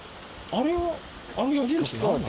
あれは。